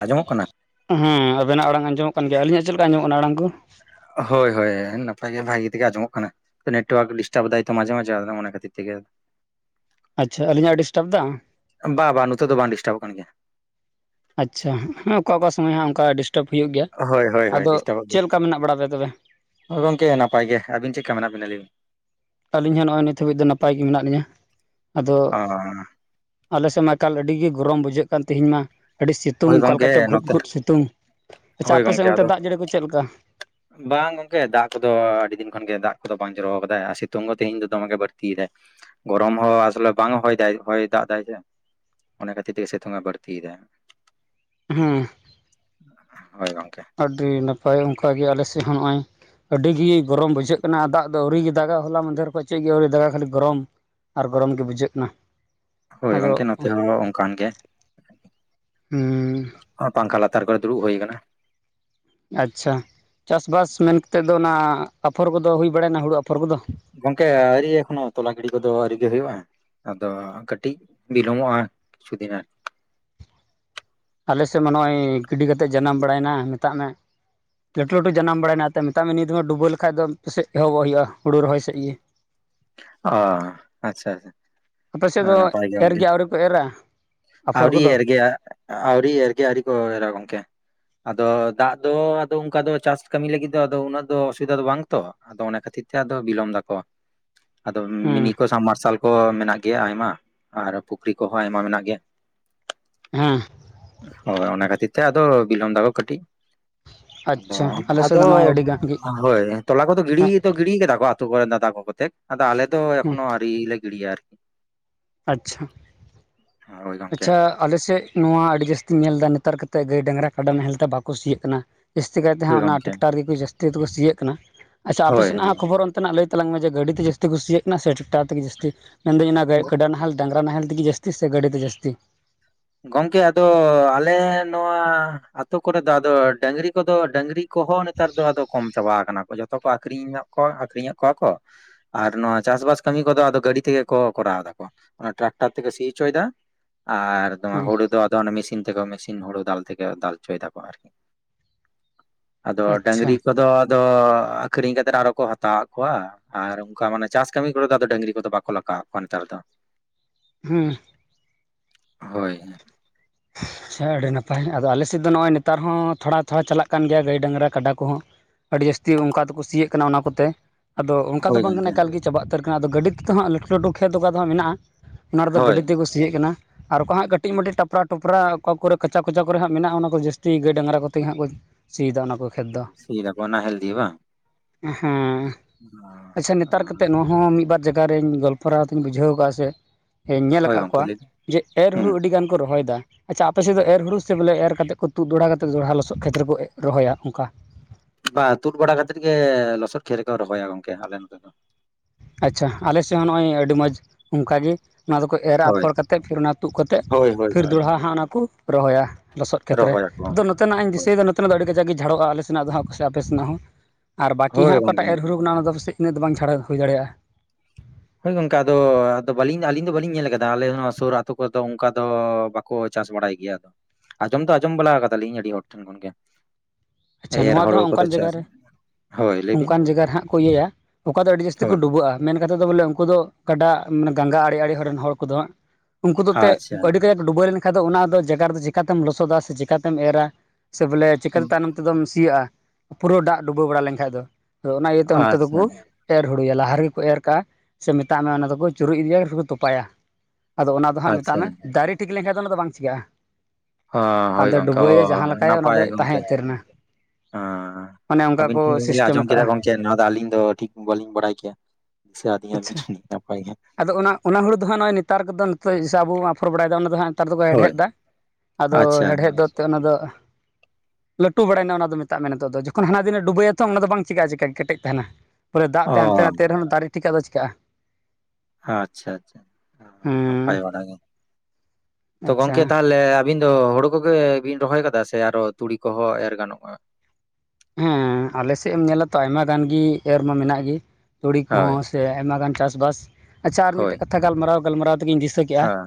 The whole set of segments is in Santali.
ᱟᱸᱡᱚᱢᱚᱜ ᱠᱟᱱᱟ? ᱦᱮᱸ ᱟᱵᱮᱱᱟᱜ ᱟᱲᱟᱝ ᱟᱸᱡᱚᱢᱚᱜ ᱠᱟᱱ ᱜᱮᱭᱟ᱾ ᱟᱹᱞᱤᱧᱟᱜ ᱪᱮᱫ ᱞᱮᱠᱟ ᱟᱸᱚᱢᱚᱜ ᱠᱟᱱᱟ ᱟᱲᱟᱝ ᱠᱚ? ᱦᱳᱭ ᱦᱳᱭ, ᱱᱟᱯᱟᱭ ᱜᱮ ᱵᱷᱟᱜᱤ ᱛᱮᱜᱮ ᱟᱸᱡᱚᱢᱚᱜ ᱠᱟᱱᱟ᱾ ᱛᱚ ᱱᱮᱴᱣᱟᱨᱠ ᱰᱤᱥᱴᱟᱨᱵ ᱫᱟᱭ ᱛᱚ ᱢᱟᱡᱷᱮ ᱢᱟᱡᱷᱮ ᱚᱱᱟ ᱠᱷᱟᱹᱛᱤᱨ ᱛᱮᱜᱮ᱾ ᱟᱪᱪᱷᱟ ᱟᱹᱞᱤᱧᱟᱜ ᱰᱤᱥᱴᱟᱵᱽ ᱫᱟ? ᱵᱟ ᱵᱟ ᱱᱤᱛᱚᱜ ᱫᱚ ᱵᱟᱝ ᱰᱤᱥᱴᱟᱵ ᱚᱜ ᱠᱟᱱ ᱜᱮᱭᱟ ᱟᱪᱪᱷᱟ ᱦᱟᱸ ᱚᱠᱟ ᱚᱠᱟ ᱥᱚᱢᱳᱭ ᱦᱟᱸᱜ ᱚᱝᱠᱟ ᱰᱤᱥᱴᱟᱵ ᱦᱩᱭᱩᱜ ᱜᱮᱭᱟ ᱦᱳᱭ ᱦᱳᱭ ᱦᱳᱭ ᱟᱫᱚ ᱰᱤᱥᱴᱟᱵᱚᱜ ᱪᱮᱫ ᱜᱮᱭᱟ᱾ ᱞᱮᱠᱟ ᱢᱮᱱᱟᱜ ᱵᱟᱲᱟ ᱯᱮᱭᱟ ᱛᱚᱵᱮ? ᱦᱳᱭ ᱜᱚᱝᱠᱮ ᱱᱟᱯᱟᱭ ᱜᱮ ᱟᱹᱵᱤᱱ ᱪᱮᱜ ᱠᱟ ᱢᱮᱱᱟᱜ ᱵᱤᱱᱟ? ᱞᱤᱭ ᱵᱤᱱ ᱟᱹᱞᱤᱧ ᱦᱚᱸ ᱱᱚᱜᱼᱚᱭ ᱱᱤᱛ ᱦᱟᱹᱵᱤᱡ ᱫᱚ ᱱᱟᱯᱟᱭ ᱜᱮ ᱢᱮᱱᱟᱜ ᱞᱤᱧᱟᱹ ᱟᱫᱚ ᱟᱞᱮ ᱥᱮᱜ ᱢᱟ ᱮᱠᱟᱞ ᱟᱹᱰᱤᱜᱮ ᱜᱚᱨᱚᱢ ᱵᱩᱡᱷᱟᱹᱜ ᱠᱟᱱ ᱛᱤᱦᱤᱧ ᱢᱟ ᱟᱹᱰᱤ ᱚ ᱥᱤᱛᱩᱝ ᱦᱳᱭ ᱚᱠᱟ ᱜᱚᱝᱠᱮ ᱞᱮᱠᱟ ᱪᱚ ᱜᱷᱩᱴ ᱱᱚᱛᱮ ᱜᱷᱩᱴ ᱥᱤᱛᱩᱝ, ᱟᱪᱪᱷᱟ ᱦᱳᱭ ᱟᱯᱮ ᱥᱮᱫ ᱜᱚᱝᱠᱮ ᱱᱚᱛᱮ ᱟᱫᱚ ᱫᱟᱜ ᱡᱟᱹᱲᱤ ᱠᱚ ᱪᱮᱫ ᱞᱮᱠᱟ? ᱵᱟᱝ ᱜᱚᱝᱠᱮ ᱫᱟᱜ ᱠᱚᱫᱚ ᱟᱹᱰᱤ ᱫᱤᱱ ᱠᱷᱚᱱ ᱜᱮ ᱫᱟᱜ ᱠᱚᱫᱚ ᱵᱟᱝ ᱡᱚᱨᱚ ᱟᱠᱟᱟᱭ ᱟᱨ ᱥᱤᱛᱩᱝ ᱫᱚ ᱛᱮᱦᱤᱧ ᱫᱚ ᱫᱚᱢᱮ ᱜᱮ ᱵᱟᱹᱲᱛᱤᱭᱮᱫᱟᱭ ᱜᱚᱨᱚᱢ ᱦᱚᱸ ᱟᱥᱚᱞ ᱵᱟᱝ ᱦᱚᱭ ᱫᱟᱭ ᱦᱚᱭ, ᱫᱟᱜ ᱫᱟᱭ ᱡᱮ ᱚᱱᱟ ᱠᱷᱟᱹᱛᱤᱨ ᱛᱮᱜᱮ ᱥᱤᱛᱩᱝ ᱮ ᱵᱟᱹᱲᱛᱤᱭᱮᱫᱟᱭ ᱦᱩᱸ ᱦᱳᱭ ᱜᱚᱝᱠᱮ ᱟᱹᱰᱤ ᱱᱟᱯᱟᱭ ᱚᱝᱠᱟᱜ ᱜᱮ ᱟᱞᱮᱥᱮᱜ ᱦᱚᱸ ᱱᱚᱜᱼᱚᱭ ᱟᱹᱰᱤᱜᱤ ᱜᱚᱨᱚᱢ ᱵᱩᱡᱷᱟᱹᱜ ᱠᱟᱱᱟ ᱟᱨ ᱫᱟᱜᱽ ᱫᱚ ᱟᱹᱣᱨᱤ ᱜᱮ ᱫᱟᱜᱽ-ᱟ ᱦᱚᱞᱟ ᱢᱟᱫᱷᱮᱨ ᱠᱷᱚᱡ ᱪᱮᱜ ᱜᱤ ᱟᱹᱣᱨᱤ ᱫᱟᱜᱽ-ᱟᱭ ᱠᱷᱟᱹᱞᱤ ᱜᱚᱨᱚᱢ ᱟᱨ ᱜᱚᱨᱚᱢ ᱜᱮ ᱵᱩᱡᱷᱟᱹᱜ ᱠᱟᱱᱟ᱾ ᱦᱳᱭ ᱟᱫᱚ ᱜᱚᱝᱠᱮ ᱱᱚᱛᱮ ᱦᱚᱸ ᱚᱝᱠᱟᱱ ᱜᱮ᱾ ᱦᱩᱸ ᱯᱟᱝᱠᱷᱟ ᱞᱟᱛᱟᱨ ᱠᱚᱨᱮ ᱫᱩᱲᱩᱵ ᱦᱩᱭ ᱠᱟᱱᱟ᱾ ᱟᱪᱪᱷᱟ, ᱪᱟᱥ-ᱵᱟᱥ ᱢᱮᱱ ᱠᱟᱛᱮ ᱫᱚ ᱚᱱᱟ ᱟᱯᱷᱚᱨ ᱠᱚᱫᱚ ᱦᱩᱭ ᱵᱟᱲᱟᱭᱮᱱᱟ ᱦᱩᱲᱩ ᱟᱯᱷᱚᱨ ᱠᱚᱫᱚ? ᱜᱚᱝᱠᱮ ᱟᱹᱨᱤ ᱮᱠᱷᱚᱱᱳ ᱛᱚᱞᱟ ᱜᱤᱰᱤ ᱠᱚᱫᱚ ᱟᱹᱣᱨᱤᱜᱮ ᱦᱩᱭᱩᱜᱼᱟ᱾ ᱟᱫᱚ ᱠᱟᱹᱴᱤᱡ ᱵᱤᱞᱚᱢᱚᱜᱼᱟ ᱟᱨ ᱠᱤᱪᱷᱩ ᱫᱤᱱᱟᱜ ᱟᱞᱮ ᱥᱮᱝ ᱢᱟ ᱱᱚᱜ-ᱚᱭ ᱜᱤᱰᱤ ᱠᱟᱛᱮ ᱡᱟᱱᱟᱢ ᱵᱟᱲᱟᱭᱮᱱᱟ ᱢᱮᱛᱟᱜ ᱢᱮ ᱞᱟᱹᱴᱩ ᱞᱟᱹᱴᱩ ᱡᱟᱱᱟᱢ ᱵᱟᱲᱟᱭᱮᱱᱟ ᱟᱫᱚ ᱢᱮᱛᱟᱜ ᱢᱮ ᱱᱤᱛ ᱦᱚᱸ ᱰᱩᱵᱟᱹ ᱞᱮᱠᱷᱟᱡ ᱫᱚ ᱯᱮᱥᱮᱜ ᱮᱦᱚᱵᱚᱜ ᱦᱩᱭᱩᱜᱼᱟ ᱦᱩᱲᱩ ᱨᱚᱦᱚᱭ ᱥᱮᱫ ᱜᱮ ᱚ ᱟᱪᱪᱷᱟ ᱟᱪᱪᱷᱟ ᱟᱯᱮ ᱦ ᱥᱮᱫ ᱫᱚ ᱱᱟᱯᱟᱭ ᱜᱮ ᱮᱨ ᱜᱚᱢᱠᱮ ᱟᱹᱣᱨᱤ ᱠᱚ ᱮᱨᱟ ᱟᱯᱷᱚᱨ ᱟᱣᱨᱤᱨ ᱠᱚᱫᱚ ᱮᱨᱜᱮᱭᱟ? ᱟᱹᱣᱨᱤ ᱟᱨᱠᱤ ᱟᱣᱨᱤ ᱠᱚ ᱮᱨᱟ ᱜᱚᱝᱠᱮ ᱟᱫᱚ ᱫᱟᱜᱽ ᱫᱚ ᱟᱫᱚ ᱚᱝ ᱠᱟ ᱫᱚ ᱪᱟᱥ ᱠᱟᱹᱢᱤ ᱞᱟᱹᱜᱤᱫ ᱫᱚ ᱟᱫᱚ ᱩᱱᱟᱹᱜ ᱫᱚ ᱚᱥᱩᱵᱤᱫᱷᱟ ᱫᱚ ᱵᱟᱝ ᱛᱚ᱾ ᱟᱫᱚ ᱚᱱᱟ ᱠᱷᱟᱹᱛᱤᱨ ᱛᱮ ᱟᱫᱚ ᱵᱤᱞᱚᱢ ᱫᱟᱠᱚ ᱟᱫᱚ ᱦᱮᱸ ᱢᱤᱱᱤ ᱠᱚ ᱥᱟᱢᱢᱟᱨᱥᱟᱞ ᱠᱚ ᱢᱮᱱᱟᱜ ᱜᱮᱭᱟ ᱟᱭᱢᱟ ᱟᱨ ᱯᱩᱠᱷᱨᱤ ᱠᱚᱦᱚᱸ ᱟᱭᱢᱟ ᱢᱮᱱᱟᱜ ᱜᱮᱭᱟ᱾ ᱦᱮᱸ ᱦᱳᱭ ᱚᱱᱟ ᱠᱷᱟᱹᱛᱤᱨ ᱛᱮ ᱟᱫᱚ ᱵᱤᱞᱚᱢ ᱫᱟᱠᱚ ᱠᱟᱹᱴᱤᱡ ᱟᱪᱪᱷᱟ ᱟᱞᱮ ᱥᱮᱫ ᱟᱫᱚ, ᱫᱚ ᱱᱚᱜᱼᱚᱭ ᱟᱹᱰᱤ ᱜᱟᱱ ᱜᱮ ᱟᱫᱚ ᱦᱳᱭ ᱛᱚᱞᱟ ᱠᱚᱫᱚ ᱜᱤᱲᱤ ᱦᱮᱸ ᱫᱚ ᱜᱤᱲᱤ ᱠᱟᱫᱟ ᱠᱚ ᱟᱛᱳ ᱠᱚᱨᱮᱱ ᱫᱟᱫᱟ ᱠᱚ ᱠᱚᱛᱮᱠ ᱟᱫᱚ ᱟᱞᱮᱫᱚ ᱦᱮᱸ ᱮᱠᱷᱚᱱᱳ ᱟᱣᱨᱤ ᱞᱮ ᱜᱤᱲᱤᱭᱟ ᱟᱨ ᱟᱨᱠᱤ᱾ ᱟᱪᱪᱷᱟ ᱦᱳᱭ ᱜᱚᱝᱠᱮ ᱟᱪᱪᱷᱟ ᱟᱞᱮᱥᱮᱜ ᱱᱚᱣᱟ ᱟᱹᱰᱤ ᱡᱟᱹᱥᱛᱤᱧ ᱧᱮᱞ ᱫᱟ ᱱᱮᱛᱟᱨ ᱠᱟᱛᱜ ᱜᱟᱹᱭ ᱰᱟᱝᱨᱟ ᱠᱟᱰᱟ ᱱᱟᱦᱮᱞ ᱛᱮ ᱵᱟᱠᱚ ᱥᱤᱭᱟᱹᱜ ᱠᱟᱱᱟ᱾ ᱡᱟᱹᱥᱛᱤ ᱠᱟᱭᱛᱮ ᱦᱳᱭ ᱦᱟᱸᱜ ᱚᱱᱟ ᱜᱚᱝᱠᱮ ᱴᱨᱟᱠᱴᱟᱨ ᱜᱮᱠᱚ ᱡᱟᱹᱥᱛᱤ ᱫᱚᱠᱚ ᱥᱤᱭᱟᱹᱜ ᱠᱟᱱᱟ ᱟᱪᱪᱷᱟ ᱟᱯᱮ ᱦᱳᱭ ᱥᱮᱱᱟᱜ ᱦᱟᱸᱜ ᱠᱷᱚᱵᱚᱨ ᱚᱱᱛᱮᱱᱟᱜ ᱞᱟᱹᱭ ᱛᱞᱟᱝ ᱢᱮ ᱡᱮ ᱜᱟᱹᱰᱤ ᱛᱮ ᱡᱟᱹᱥᱛᱤ ᱠᱚ ᱥᱤᱭᱮᱜ ᱠᱟᱱᱟ ᱥᱮ ᱴᱮᱠᱴᱟᱨ ᱛᱮᱜᱮ ᱡᱥᱛᱤ? ᱢᱮᱱᱫᱟᱹᱧ ᱚᱱᱟ ᱜᱟᱹᱭ ᱠᱟᱰᱟ ᱱᱟᱦᱮᱞ ᱰᱟᱝᱨᱟ ᱱᱟᱦᱮᱞ ᱛᱮᱜᱤ ᱡᱟᱹᱥᱛᱤ? ᱥᱮ ᱜᱟᱹᱰᱤ ᱛᱮ ᱡᱟᱹᱥᱛᱤ? ᱜᱚᱝᱠᱮ ᱟᱫᱚ ᱟᱞᱮ ᱱᱚᱣᱟ ᱟᱹᱛᱩ ᱠᱚᱨᱮ ᱫᱚ ᱟᱫᱚ ᱰᱟᱹᱝᱨᱤ ᱠᱚᱫᱚ ᱰᱟᱹᱝᱨᱤ ᱠᱚᱦᱚ ᱱᱮᱛᱟᱨ ᱫᱚ ᱟᱫᱚ ᱠᱚᱢ ᱪᱟᱵᱟ ᱠᱟᱱᱟ ᱠᱚ ᱡᱷᱚᱛᱚ ᱠᱚ ᱟᱠᱷᱨᱤᱧ ᱦᱟᱜ ᱠᱚᱣᱟ ᱟᱠᱷᱨᱤᱧᱮᱜ ᱠᱚᱣᱟ ᱠᱚ᱾ ᱟᱨ ᱱᱚᱶᱟ ᱪᱟᱥᱵᱟᱥ ᱠᱟᱹᱢᱤ ᱠᱚᱫᱚ ᱟᱫᱚ ᱜᱟᱹᱰᱤ ᱛᱮᱜᱮ ᱠᱚ ᱠᱚᱨᱟᱣ ᱫᱟᱠᱚ ᱚᱱᱟ ᱴᱨᱟᱠᱴᱟᱨ ᱛᱮᱠᱚ ᱥᱤ ᱦᱚᱪᱚᱭ ᱫᱟ ᱟᱻᱨ ᱢᱮ ᱦᱮᱸ ᱦᱩᱲᱩ ᱫᱚ ᱟᱫᱚ ᱢᱥᱤᱱ ᱛᱮᱠᱚ ᱢᱮᱥᱤᱱ ᱦᱩᱲᱩ ᱫᱟᱞ ᱛᱮᱜᱮ ᱫᱟᱞ ᱦᱚᱪᱚᱭ ᱫᱟᱠᱚ ᱟᱨᱠᱤ ᱟᱫᱚ ᱟᱪᱪᱷᱟ ᱰᱟᱝᱨᱤ ᱠᱚᱫᱚ ᱟᱫᱚ ᱟᱠᱷᱨᱤᱧ ᱠᱟᱛᱮᱜ ᱟᱨᱚᱦᱚᱸ ᱠᱚ ᱦᱟᱛᱟᱮᱫ ᱠᱚᱣᱟ ᱟᱨ ᱚᱝᱠᱟ ᱢᱟᱱᱮ ᱪᱟᱥ ᱠᱟᱹᱢᱤ ᱠᱚᱨᱮᱫᱚ ᱰᱟᱹᱝᱨᱤ ᱠᱚᱫᱚ ᱵᱟᱠᱚ ᱞᱟᱜᱟᱣ ᱠᱚᱣᱟ ᱱᱮᱛᱟᱨ ᱫᱚ ᱦᱩᱸ ᱦᱳᱭ ᱟᱪᱪᱷᱟ ᱟᱹᱰᱤ ᱱᱟᱯᱟᱭ ᱟᱫᱚ ᱟᱞᱮ ᱥᱮᱫ ᱫᱚ ᱱᱚᱜᱼᱚᱭ ᱱᱮᱛᱟᱨ ᱦᱚᱸ ᱛᱷᱚᱲᱟ ᱛᱷᱚᱲᱟ ᱪᱟᱞᱟᱜ ᱠᱟᱱ ᱜᱮᱭᱟ ᱜᱟᱹᱭ, ᱰᱟᱝᱨᱟ, ᱠᱟᱰᱟ ᱠᱚᱦᱚᱸ ᱟᱹᱰᱤ ᱡᱟᱹᱥᱛᱤ ᱚᱱᱠᱟ ᱛᱮᱠᱚ ᱥᱤᱭᱮᱫ ᱠᱟᱱᱟ ᱚᱱᱟ ᱠᱚᱛᱮ ᱟᱫᱚ ᱚᱱᱠᱟ ᱫᱚ ᱦᱳᱭ ᱵᱟᱝ ᱜᱚᱝᱠᱮ ᱠᱟᱱᱟ ᱮᱠᱟᱞ ᱜᱮ ᱪᱟᱵᱟ ᱩᱛᱟᱹᱨ ᱟᱠᱟᱱᱟ ᱟᱫᱚ ᱜᱟᱹᱰᱤ ᱛᱮᱫᱚ ᱦᱟᱸᱜ ᱞᱟᱹᱴᱩ ᱞᱟᱹᱴᱩ ᱠᱷᱮᱛ ᱚᱠᱟ ᱫᱚ ᱦᱟᱸᱜ ᱢᱮᱱᱟᱜᱼᱟ᱾ ᱚᱱᱟ ᱨᱮᱫᱚ ᱦᱳᱭ ᱜᱟᱹᱰᱤ ᱛᱮᱠᱚ ᱥᱤᱭᱮᱜ ᱠᱟᱱᱟ᱾ ᱟᱨ ᱚᱠᱟ ᱦᱟᱸᱜ ᱠᱟᱹᱴᱤᱡ ᱢᱟᱹᱴᱤᱡ ᱴᱟᱯᱨᱟ ᱴᱚᱯᱨᱟ ᱚᱠᱟ ᱠᱚᱨᱮ ᱠᱟᱪᱟ ᱠᱚᱪᱟ ᱠᱚᱨᱮ ᱦᱟᱸᱜ ᱢᱮᱱᱟᱜᱼᱟ ᱚᱱᱟ ᱫᱚ ᱡᱟᱹᱥᱛᱤ ᱜᱟᱹᱭ ᱰᱟᱝᱨᱟ ᱠᱚᱛᱮ ᱜᱮ ᱦᱟᱸᱜ ᱵᱚ ᱥᱤᱭᱮᱫᱟ ᱚᱱᱟ ᱠᱚ ᱠᱷᱮᱛ ᱫᱚ ᱥᱤᱭ ᱫᱟᱠᱚ ᱱᱟᱦᱮᱞ ᱫᱤᱭᱮ ᱵᱟᱝ ᱦᱮᱸ ᱚ, ᱟᱪᱪᱷᱟ ᱚ, ᱱᱮᱛᱟᱨ ᱠᱟᱛᱮ ᱱᱚᱣᱟ ᱦᱚᱸ ᱢᱤᱫ ᱵᱟᱨ ᱡᱟᱭ ᱜᱟ ᱨᱮᱧ ᱜᱚᱞᱯᱷᱚ ᱨᱟᱦᱚ ᱛᱮᱧ ᱵᱩᱡᱷᱟᱹᱣ ᱠᱟᱜᱼᱟ ᱥᱮ ᱮᱸ ᱧᱮᱞ ᱦᱳᱭ ᱟᱠᱟᱫ ᱜᱚᱝᱠᱮ ᱠᱚᱣᱟ ᱞᱟᱹᱭ ᱵᱤᱱ᱾ ᱡᱮ ᱮᱨ ᱦᱩᱸ ᱦᱩᱲᱩ ᱟᱹᱰᱤ ᱜᱟᱱ ᱠᱚ ᱨᱚᱦᱚᱭ ᱮᱫᱟ᱾ ᱟᱪᱪᱷᱟ ᱟᱯᱮ ᱥᱮᱫ ᱫᱚ ᱮᱨ ᱦᱩᱲᱩ ᱥᱮ ᱵᱚᱞᱮ ᱮᱨ ᱠᱟᱛᱮ ᱠᱚ ᱛᱩᱫ ᱫᱚᱦᱲᱟ ᱠᱟᱛᱮᱫ ᱫᱚᱲᱦᱟ ᱞᱚᱥᱚᱫ ᱠᱷᱮᱛ ᱨᱮᱠᱚ ᱨᱚᱦᱚᱭᱟ ᱚᱱᱠᱟ ᱵᱟ ᱛᱩᱫ ᱵᱟᱲᱟ ᱠᱟᱛᱮᱫ ᱜᱮ ᱞᱚᱥᱚᱫ ᱠᱷᱮᱛ ᱨᱮ ᱠᱚ ᱨᱚᱦᱚᱭᱟ ᱜᱚᱝᱠᱮ ᱟᱞᱮ ᱱᱚᱛᱮ ᱫᱚ ᱟᱪᱪᱷᱟ ᱟᱞᱮ ᱥᱮᱫ ᱦᱚᱸ ᱱᱚᱜᱼᱚᱭ ᱟᱹᱰᱤ ᱢᱚᱸᱪ ᱚᱱᱠᱟᱜ ᱜᱮ ᱚᱱᱟ ᱫᱚᱠᱚ ᱮᱨᱟ ᱦᱳᱭ ᱟᱯᱷᱚᱨ ᱠᱟᱛᱮᱫ ᱯᱷᱤᱨ ᱚᱱᱟ ᱛᱩᱫ ᱠᱟᱛᱮᱫ ᱦᱳᱭ ᱦᱳᱭ ᱯᱷᱤᱨ ᱦᱳᱭ ᱫᱚᱲᱦᱟ ᱦᱟᱸᱜ ᱚᱱᱟᱠᱚ ᱨᱚᱦᱚᱭᱟ᱾ ᱞᱚᱥᱚᱫ ᱠᱷᱮᱛ ᱨᱮ ᱨᱚᱦᱚᱭᱟᱠᱚ ᱟᱫᱚ ᱜᱚᱝᱠᱮ ᱱᱚᱛᱮᱱᱟᱜ ᱤᱧ ᱦᱳᱭ ᱫᱤᱥᱟᱹᱭᱮᱫᱟ ᱱᱚᱛᱮᱱᱟᱜ ᱫᱚ ᱟᱹᱰᱤ ᱠᱟᱡᱟᱠ ᱜᱮ ᱡᱷᱟᱲᱚᱜᱼᱟ ᱟᱞᱮ ᱥᱮᱱᱟᱜ ᱫᱚ ᱦᱟᱸᱜ ᱥᱮ ᱟᱯᱮ ᱥᱮᱱᱟᱜ ᱦᱚᱸ ᱟᱨ ᱵᱟᱹᱠᱤ ᱦᱳᱭ ᱦᱟᱸᱜ ᱚᱠᱟᱴᱟᱜ ᱜᱚᱝᱠᱮ ᱮᱨ ᱦᱩᱲᱩ ᱠᱟᱱᱟ ᱚᱱᱟᱫᱚ ᱯᱟᱥᱮᱡ ᱤᱱᱟᱹᱜ ᱫᱚ ᱵᱟᱝ ᱪᱷᱟᱲᱟ ᱦᱩᱭ ᱫᱟᱲᱮᱭᱟᱜᱼᱟ᱾ ᱦᱳᱭ ᱜᱚᱝᱠᱮ ᱟᱫᱚ ᱟᱫᱚ ᱵᱟᱹᱞᱤᱧ ᱟᱹᱞᱤᱧ ᱫᱚ ᱵᱟᱹᱞᱤᱧ ᱧᱮᱞ ᱟᱠᱟᱫᱟ ᱟᱞᱮ ᱱᱚᱣᱟ ᱥᱩᱨ ᱟᱹᱛᱩ ᱠᱚᱨᱮ ᱫᱚ ᱚᱱᱠᱟ ᱫᱚ ᱵᱟ ᱠᱚ ᱪᱟᱥ ᱵᱟᱲᱟᱭ ᱜᱮᱭᱟ ᱟᱫᱚ ᱟᱸᱡᱚᱢ ᱫᱚ ᱟᱸᱡᱚᱢ ᱵᱟᱲᱟ ᱠᱟᱫᱟ ᱞᱤᱧ ᱟᱹᱰᱤ ᱦᱚᱲ ᱴᱷᱮᱱ ᱠᱷᱚᱱᱜᱮ ᱟᱪᱪᱷᱟ ᱱᱚᱣᱟ ᱫᱚ ᱦᱟᱸᱜ ᱚᱱᱠᱟᱱ ᱡᱟᱭᱜᱟ ᱨᱮ ᱦᱳᱭ ᱞᱟᱹᱭ ᱵᱤᱱ ᱚᱱᱠᱟᱱ ᱡᱟᱭᱜᱟ ᱨᱮ ᱦᱟᱸᱜ ᱠᱚ ᱤᱭᱟᱹᱭᱟ ᱚᱠᱟ ᱫᱚ ᱟᱹᱰᱤ ᱡᱟᱹᱥᱛᱤ ᱠᱚ ᱦᱳᱭ ᱰᱩᱵᱟᱹᱜᱼᱟ᱾ ᱢᱮᱱ ᱠᱟᱛᱮᱫ ᱫᱚ ᱵᱚᱞᱮ ᱩᱱᱠᱩ ᱫᱚ ᱚᱠᱟᱴᱟᱜ ᱢᱟᱱᱮ ᱜᱟᱸᱝᱜᱟ ᱟᱲᱮ ᱟᱲᱮ ᱦᱚᱲ ᱨᱮᱱ ᱦᱚᱲ ᱠᱚᱫᱚ ᱦᱟᱸᱜ ᱩᱱᱠᱩ ᱫᱚ ᱮᱱᱛᱮᱜ ᱟᱪᱪᱷᱟ ᱟᱹᱰᱤ ᱜᱮ ᱰᱩᱵᱟᱹᱣ ᱮᱱᱮ ᱟᱫᱚ ᱚᱱᱟ ᱫᱚ ᱡᱟᱜᱟ ᱨᱮᱫᱚ ᱪᱮᱠᱟᱛᱮᱢ ᱞᱚᱥᱚᱫᱟ ᱥᱮ ᱪᱮᱠᱟᱛᱮᱢ ᱮᱨᱟ ᱥᱮ ᱵᱚᱞᱮ ᱪᱮᱠᱟᱛᱮ ᱦᱩᱸ᱾ ᱛᱟᱭᱱᱚᱢ ᱛᱮᱫᱚᱢ ᱥᱤᱭᱟᱹᱜᱼᱟ᱾ ᱯᱩᱨᱟᱹ ᱫᱟᱜ ᱰᱩᱵᱟᱹᱣ ᱵᱟᱲᱟ ᱞᱮᱱᱠᱷᱟᱡ ᱫᱚ ᱛᱚ ᱚᱱᱟ ᱤᱭᱟᱹᱛᱮ ᱚᱱᱛᱮ ᱟᱪᱪᱷᱟ ᱫᱚᱠᱩ ᱮᱨ ᱦᱩᱲᱩᱭᱟ ᱞᱟᱦᱟ ᱨᱮᱜᱮ ᱠᱚ ᱮᱨ ᱠᱟᱜᱼᱟ᱾ ᱥᱮ ᱢᱮᱛᱟᱜ ᱢᱮ ᱚᱱᱟ ᱫᱚᱠᱚ ᱪᱩᱨᱩᱡ ᱤᱫᱤᱭᱟ ᱟᱨ ᱥᱮᱠᱚ ᱛᱚᱯᱟᱭᱟ᱾ ᱟᱫᱚ ᱚᱱᱟ ᱫᱚ ᱦᱟᱸᱜ ᱢᱮᱛᱟᱜ ᱟᱪᱪᱷᱟ ᱢᱮ ᱫᱟᱨᱮ ᱴᱷᱤᱠ ᱞᱮᱱᱠᱷᱟᱱ ᱫᱚ ᱚᱱᱟ ᱫᱚ ᱵᱟᱝ ᱪᱤᱠᱟᱜᱼᱟ᱾ ᱚ ᱦᱳᱭ ᱦᱟᱱᱛᱮ ᱜᱚᱝᱠᱮ ᱰᱩᱵᱟᱹᱭᱮ ᱚ ᱡᱟᱦᱟᱸ ᱞᱮᱠᱟᱭᱮ ᱚᱱᱟ ᱫᱚᱭ ᱛᱟᱦᱮᱸ ᱩᱛᱟᱹᱨ ᱮᱱᱟ᱾ ᱟᱸᱻ ᱟᱹᱵᱤᱱ ᱴᱷᱮᱱ ᱠᱷᱚᱱ ᱜᱮᱞᱤᱧ ᱥᱤᱥᱴᱮᱢ ᱟᱸᱡᱚᱢ ᱟᱠᱟᱜᱼᱟ ᱠᱮᱫᱟ ᱜᱚᱝᱠᱮ ᱱᱚᱣᱟ ᱫᱚ ᱟᱹᱞᱤᱧ ᱫᱚ ᱴᱷᱤᱠ ᱦᱚᱸ ᱵᱟᱹᱞᱤᱧ ᱵᱟᱲᱟᱭ ᱠᱮᱭᱟ ᱥᱮ ᱟᱹᱞᱤᱧᱟᱜ ᱟᱪᱪᱷᱟ ᱯᱤᱪᱷᱮ ᱱᱟᱯᱟᱭ ᱜᱮ ᱦᱟᱸᱜ ᱟᱫᱚ ᱚᱱᱟ ᱚᱱᱟ ᱦᱩᱲᱩ ᱫᱚ ᱦᱟᱸᱜ ᱱᱚᱜᱼᱚᱭ ᱱᱮᱛᱟᱨ ᱠᱚᱫᱚ ᱱᱤᱛᱚᱜ ᱥᱮ ᱟᱵᱚ ᱵᱚ ᱟᱯᱷᱚᱨ ᱵᱟᱲᱟᱭᱮᱫᱟ ᱚᱱᱟ ᱫᱚ ᱦᱟᱸᱜ ᱱᱮᱛᱟᱨ ᱫᱚᱠᱚ ᱦᱳᱭ ᱦᱮᱲᱦᱮᱫ ᱮᱫᱟ᱾ ᱟᱫᱚ ᱟᱪᱪᱷᱟ ᱦᱮᱲᱦᱮᱫ ᱫᱚ ᱮᱱᱛᱮᱜ ᱚᱱᱟ ᱫᱚ ᱛᱩ ᱵᱟᱲᱟᱭᱮᱱᱟ ᱚᱱᱟ ᱫᱚ ᱢᱮᱛᱟᱜ ᱢᱮ ᱱᱤᱛᱚᱜ ᱫᱚ ᱡᱚᱠᱷᱚᱱ ᱦᱟᱱᱟ ᱫᱤᱱᱮ ᱰᱩᱵᱟᱹᱭᱟ ᱛᱚ ᱚᱱᱟ ᱫᱚ ᱵᱟᱝ ᱪᱤᱠᱟᱹᱜᱼᱟ ᱪᱮᱠᱟ ᱠᱮᱴᱮᱡ ᱛᱟᱦᱮᱱᱟ᱾ ᱵᱚᱞᱮ ᱚ ᱫᱟᱜ ᱛᱮ ᱦᱟᱱᱛᱮ ᱱᱟᱛᱮ ᱨᱮᱦᱚᱸ ᱫᱟᱨᱮ ᱴᱷᱤᱠᱟᱹᱜ ᱫᱚ ᱪᱤᱠᱟᱹᱜᱼᱟ᱾ ᱟᱪᱪᱷᱟ ᱟᱪᱷᱟ ᱟᱪᱷᱟ [unintelligible] ᱱᱟᱯᱟᱭ ᱦᱮᱸ ᱵᱟᱲᱟ ᱜᱮ ᱛᱚ ᱟᱪᱪᱷᱟ ᱜᱚᱝᱠᱮ ᱛᱟᱦᱚᱞᱮ ᱟᱹᱵᱤᱱ ᱫᱚ ᱦᱩᱲᱩ ᱠᱚᱜᱮ ᱵᱤᱱ ᱨᱚᱦᱚᱭ ᱟᱠᱟᱫᱟ ᱥᱮ ᱟᱨᱚ ᱛᱩᱲᱤ ᱠᱚᱦᱚᱸ ᱮᱨ ᱜᱟᱱᱚᱜᱼᱟ᱾ ᱦᱮᱸ ᱟᱞᱮ ᱥᱮᱫ ᱮᱢ ᱧᱮᱞᱟ ᱛᱚ ᱟᱭᱢᱟ ᱜᱟᱱ ᱜᱮ ᱮᱨ ᱢᱟ ᱢᱮᱱᱟᱜ ᱜᱮ ᱛᱩᱲᱤ ᱠᱚᱦᱚᱸ ᱦᱳᱭ ᱥᱮ ᱟᱭᱢᱟ ᱜᱟᱱ ᱪᱟᱥᱵᱟᱥ ᱟᱪᱪᱷᱟ ᱟᱨ ᱦᱳᱭ ᱢᱤᱫᱴᱮᱡ ᱠᱟᱛᱷᱟ ᱜᱟᱞᱢᱟᱨᱟᱣ ᱜᱟᱞᱢᱟᱨᱟᱣ ᱛᱮᱜᱤᱧ ᱫᱤᱥᱟᱹ ᱠᱮᱜ-ᱟ᱾ ᱦᱮᱸ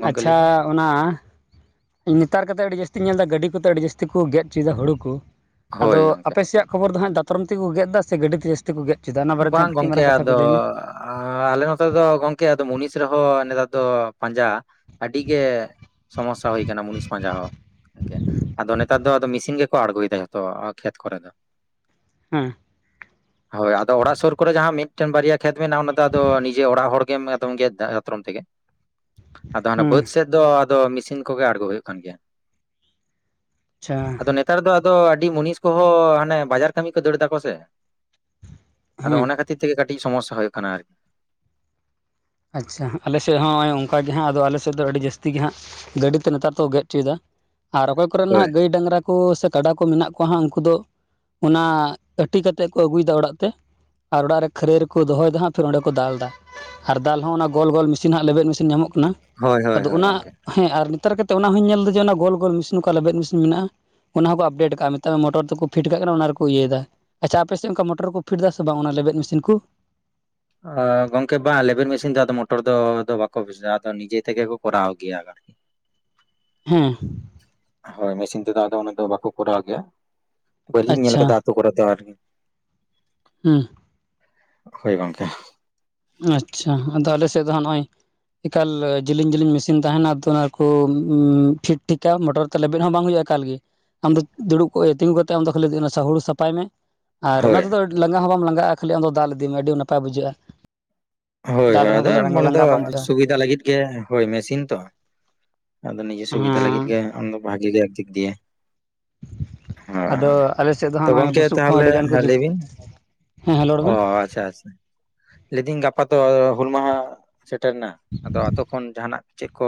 ᱜᱚᱝᱠᱮ ᱞᱟᱹᱭ ᱟᱪᱪᱷᱟ ᱵᱤᱱ ᱚᱱᱟ ᱱᱮᱛᱟᱨ ᱠᱟᱛᱮ ᱟᱹᱰᱤ ᱡᱟᱹᱥᱛᱤᱧ ᱧᱮᱞᱮᱫᱟ ᱜᱟᱹᱰᱤ ᱠᱚᱛᱮ ᱟᱹᱰᱤ ᱡᱟᱹᱥᱛᱤ ᱠᱚ ᱜᱮᱫ ᱚᱪᱚᱭᱮᱫᱟ ᱦᱩᱲᱩ ᱠᱩ ᱦᱳᱭ ᱟᱫᱚ ᱜᱚᱝᱠᱮ ᱟᱯᱮ ᱥᱮᱭᱟᱜ ᱠᱷᱚᱵᱚᱨ ᱫᱚ ᱦᱟᱸᱜ ᱫᱟᱛᱨᱚᱢ ᱛᱮᱜᱮ ᱠᱚ ᱜᱮᱫ ᱮᱫᱟ ᱥᱮ ᱜᱟᱹᱰᱤ ᱛᱮ ᱡᱟᱹᱥ ᱛᱤ ᱠᱚ ᱜᱮᱫ ᱪᱚᱭ ᱫᱟ ᱚᱱᱟ ᱵᱟᱨᱮ ᱛᱮᱦᱟᱸᱜ ᱠᱟᱹᱴᱤᱡ ᱢᱟᱨᱟᱝ ᱠᱟᱛᱷᱟ ᱠᱚ ᱞᱟᱹᱭ ᱢᱮ ᱟᱸᱻ ᱟᱞᱮ ᱱᱚᱛᱮ ᱫᱚ ᱜᱚᱝᱠᱮ ᱟᱫᱚ ᱢᱩᱱᱤᱥ ᱨᱮᱦᱚᱸ ᱱᱮᱛᱟᱨ ᱫᱚ ᱯᱟᱸᱡᱟ ᱟᱹᱰᱤ ᱜᱮ ᱥᱚᱢᱚᱥᱥᱟ ᱦᱩᱭ ᱠᱟᱱᱟ ᱢᱩᱱᱤᱥ ᱯᱟᱸᱡᱟ ᱦᱚᱸ [unintelligible] ᱟᱫᱚ ᱱᱮᱛᱟᱨ ᱫᱚ ᱟᱫᱚ ᱢᱤᱥᱤᱱ ᱜᱮᱠᱚ ᱟᱬᱜᱚᱭᱮᱫᱟ ᱡᱷᱚᱛᱚ ᱠᱷᱮᱛ ᱠᱚᱨᱮ ᱫᱚ ᱦᱮᱸ ᱦᱳᱭ ᱟᱫᱚ ᱚᱲᱟᱜ ᱥᱩᱨ ᱠᱚᱨᱮ ᱡᱟᱦᱟᱸ ᱢᱤᱫᱴᱮᱱ ᱵᱟᱨᱭᱟ ᱠᱷᱮᱛ ᱢᱮᱱᱟᱜᱼᱟ ᱚᱱᱟ ᱫᱚ ᱟᱫᱚ ᱱᱤᱡᱮ ᱚᱲᱟᱜ ᱦᱚᱲ ᱜᱮᱢ ᱟᱫᱚᱢ ᱜᱮᱫ ᱫᱟ ᱫᱟᱛᱨᱚᱢ ᱛᱮᱜᱮ ᱟᱫᱚ ᱦᱟᱱᱮ ᱦᱮᱸ ᱵᱟᱹᱫᱽ ᱥᱮᱫ ᱫᱚ ᱟᱫᱚ ᱢᱮᱥᱤᱱ ᱠᱚᱜᱮ ᱟᱬᱜᱳ ᱦᱳᱭᱳᱜ ᱠᱟᱱ ᱜᱮᱭᱟ ᱟᱪᱪᱷᱟ ᱟᱫᱚ ᱱᱮ ᱛᱟᱨ ᱫᱚ ᱟᱫᱚ ᱟᱹᱰᱤ ᱢᱩᱱᱤᱥ ᱠᱚᱦᱚᱸ ᱦᱟᱱᱮ ᱵᱟᱡᱟᱨ ᱠᱟᱹᱢᱤ ᱠᱚ ᱫᱟᱹᱲ ᱫᱟᱠᱚ ᱥᱮ ᱟᱫᱚ ᱦᱮᱸ ᱚᱱᱟ ᱠᱷᱟᱹᱛᱤᱨ ᱛᱮᱜᱮ ᱠᱟᱹᱴᱤᱡ ᱥᱚᱢᱚᱥᱥᱟ ᱦᱳᱭᱳᱜ ᱠᱟᱱᱟ ᱟᱨᱠᱤ᱾ ᱟᱪᱪᱷᱟ ᱟᱞᱮᱥᱮᱜ ᱦᱚᱸᱭ ᱚᱱᱠᱟ ᱜᱮ ᱦᱟᱸᱜ ᱟᱫᱚ ᱟᱞᱮ ᱥᱮᱫ ᱫᱚ ᱟᱹᱰᱤ ᱡᱟᱹᱥᱛᱤ ᱜᱮ ᱦᱟᱸᱜ ᱜᱟᱹᱰᱤ ᱛᱮ ᱱᱮᱛᱟᱨ ᱫᱚᱠᱚ ᱜᱮᱫ ᱪᱚᱭᱮᱫᱟ ᱟᱨ ᱚᱠᱚᱭ ᱠᱚᱨᱮᱱ ᱦᱳᱭ ᱦᱟᱸᱜ ᱜᱟᱹᱭ ᱰᱟᱺᱝᱨᱟ ᱠᱚ ᱥᱮ ᱠᱟᱰᱟ ᱠᱚ ᱢᱮᱱᱟᱜ ᱠᱚᱣᱟ ᱦᱟᱸᱜ ᱩᱱᱠᱩ ᱫᱚ ᱚᱱᱟ ᱟᱹᱴᱤ ᱠᱟᱛᱮᱫ ᱠᱚ ᱟᱹᱜᱩᱭᱮᱫᱟ ᱚᱲᱟᱜ ᱛᱮ᱾ ᱟᱨ ᱚᱲᱟᱜ ᱨᱮ ᱠᱷᱟᱹᱨᱟᱹᱭ ᱨᱮᱠᱚ ᱫᱚᱦᱚᱭᱮᱫᱟ ᱦᱟᱸᱜ ᱯᱷᱮᱨ ᱚᱸᱰᱮ ᱠᱚ ᱫᱟᱞ ᱫᱟ ᱾ ᱟᱨ ᱫᱟᱞ ᱦᱚᱸ ᱚᱱᱟ ᱜᱚᱞ ᱜᱚᱞ ᱢᱮᱥᱤᱱ ᱦᱟᱸᱜ ᱞᱮᱵᱮᱫ ᱢᱮᱥᱤᱱ ᱧᱟᱢᱚᱜ ᱠᱟᱱᱟ ᱦᱳᱭ ᱦᱳᱭ ᱟᱫᱚ ᱦᱳᱭ ᱚᱱᱟ ᱜᱚᱝᱠᱮ ᱦᱮᱸ ᱟᱨ ᱱᱮᱛᱟᱨ ᱠᱟᱛᱮ ᱚᱱᱟ ᱦᱚᱧ ᱧᱮᱞ ᱮᱫᱟ ᱡᱮ ᱚᱱᱟ ᱜᱳᱞ ᱜᱳᱞ ᱢᱮᱥᱤᱱ ᱠᱚ ᱞᱮᱵᱮᱫ ᱢᱮᱥᱤᱱ ᱢᱮᱱᱟᱜᱼᱟ ᱾ ᱚᱱᱟ ᱦᱚᱸᱠᱚ ᱟᱯᱰᱮᱴ ᱠᱟᱜ -ᱟ ᱢᱮᱛᱟᱜ ᱢᱮ ᱢᱚᱴᱚᱨ ᱛᱮᱠᱚ ᱯᱷᱤᱴ ᱠᱟᱜ ᱠᱟᱱᱟ ᱚᱱᱟ ᱨᱮᱠᱚ ᱤᱭᱟᱹᱭᱮᱫᱟ ᱟᱪᱪᱷᱟ ᱟᱯᱮ ᱥᱮᱫ ᱚᱱᱠᱟ ᱢᱚᱴᱚᱨ ᱠᱚ ᱯᱮᱷᱴ ᱮᱫᱟ ᱥᱮ ᱵᱟᱝ ᱚᱱᱟ ᱞᱮᱵᱮᱫ ᱢᱮᱥᱤᱱ ᱠᱩ ᱚᱸ ᱜᱚᱝᱠᱮ ᱵᱟᱝ ᱞᱮᱵᱮᱫ ᱢᱮᱥᱤᱱ ᱫᱚ ᱟᱫᱚ ᱢᱚᱴᱚᱨ ᱫᱚ ᱟᱫᱚ ᱵᱟᱠᱚ ᱵᱩᱡᱟ ᱟᱫᱚ ᱱᱤᱡᱮ ᱛᱮᱜᱮ ᱠᱚ ᱠᱚᱨᱟᱣ ᱜᱮᱭᱟ᱾ ᱦᱩᱸ, ᱦᱳᱭ ᱢᱮᱥᱤᱱ ᱛᱮᱫᱚ ᱟᱫᱚ ᱚᱱᱮ ᱫᱚ ᱵᱟᱠᱚ ᱠᱚᱨᱟᱣ ᱜᱮᱭᱟ ᱵᱟᱹᱞᱤᱧ ᱧᱮᱞ ᱟᱪᱪᱷᱟ ᱟᱠᱟᱫᱟ ᱠᱚ ᱠᱚᱨᱟᱣ ᱫᱚ ᱟᱨᱠᱤ ᱩᱸ ᱾ ᱦᱳᱭ ᱜᱚᱝᱠᱮ, ᱟᱪᱪᱷᱟ ᱟᱫᱚ ᱟᱞᱮ ᱥᱮᱫ ᱫᱚᱦᱟᱜ ᱱᱚᱸᱜᱼᱚᱭ ᱮᱠᱟᱞ ᱡᱮᱞᱤᱧ ᱡᱮᱞᱤᱧ ᱢᱮᱥᱤᱱ ᱛᱟᱦᱮᱱᱟ ᱟᱫᱚ ᱚᱱᱟ ᱠᱚ ᱯᱷᱤᱴ ᱴᱷᱤᱠᱟ ᱢᱚᱴᱚᱨ ᱛᱚ ᱞᱮᱵᱮᱫ ᱦᱚᱸ ᱵᱟᱝ ᱦᱩᱭᱩᱜᱼᱟ ᱮᱠᱟᱞ ᱜᱮ ᱟᱢ ᱫᱚ ᱫᱩᱲᱩᱵ ᱠᱚᱜ ᱛᱤᱸᱜᱩ ᱠᱟᱛᱮᱫ ᱟᱢᱫᱚ ᱠᱷᱟᱹᱞᱤ ᱥᱟᱦᱩᱲ ᱥᱟᱯᱷᱟᱭ ᱢᱮ᱾ ᱟᱨ ᱦᱳᱭ ᱚᱱᱟᱛᱮᱫᱚ ᱟᱹᱰᱤ ᱞᱟᱸᱜᱟ ᱦᱚᱸ ᱵᱟᱢ ᱞᱟᱜᱟᱜᱼᱟ ᱠᱷᱟᱹᱞᱤ ᱟᱢ ᱫᱚ ᱫᱟᱞ ᱤᱫᱤ ᱢᱮ ᱟᱹᱰᱤ ᱱᱟᱯᱟᱭ ᱵᱩᱡᱷᱟᱹᱜᱼᱟ ᱾ ᱦᱳᱭ ᱦᱳᱭ ᱟᱫᱚ ᱢᱟᱱᱮ ᱫᱚ ᱞᱟᱸᱜᱟ ᱵᱟᱢ ᱵᱩᱡᱷᱟᱹᱜᱼᱟ ᱥᱩᱵᱤᱫᱟ ᱞᱟᱹᱜᱤᱫ ᱜᱮ ᱦᱳᱭ ᱢᱮᱥᱤᱱ ᱛᱚ ᱾ ᱟᱫᱚ ᱱᱤᱡᱮ ᱥᱩᱵᱤᱫᱷᱟ ᱞᱟᱹᱜᱤᱫ ᱦᱮᱸ ᱜᱮ ᱟᱢᱫᱚ ᱵᱷᱟᱜᱤ ᱜᱮ ᱫᱤᱠ ᱫᱤᱭᱮ ᱾ ᱦᱮᱸ, ᱟᱫᱚ ᱟᱞᱮ ᱥᱮᱫ ᱫᱚ ᱛᱚ ᱦᱟᱸᱜ ᱱᱚᱜᱼᱚᱭ ᱜᱚᱢᱠᱮ ᱵᱩᱥᱩᱵ ᱠᱚᱦᱚᱸ ᱟᱹᱰᱤ ᱛᱟᱦᱚᱞᱮᱸ ᱜᱟᱱ ᱠᱚ ᱢᱟ ᱡᱩᱜ ᱞᱟᱹᱭ ᱵᱤᱱ ᱦᱮᱸ ᱦᱮᱸ ᱨᱚᱲ ᱚ ᱵᱮᱱ ᱟᱪᱪᱷᱟ ᱟᱪᱷᱟ ᱞᱟᱹᱭᱫᱟᱹᱧ ᱜᱟᱯᱟ ᱫᱚ ᱦᱩᱞ ᱢᱟᱦᱟ ᱥᱮᱴᱮᱨ ᱮᱱᱟ ᱟᱫᱚ ᱟᱛᱳ ᱠᱷᱚᱱ ᱡᱟᱦᱟᱱᱟᱜ ᱪᱮᱫ ᱠᱚ